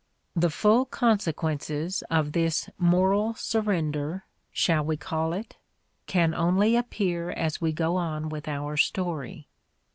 The full consequences of this moral surrender — shall we call it? — can only appear as we go on with our story.